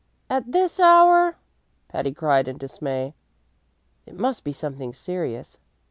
"At this hour!" Patty cried in dismay. "It must be something serious.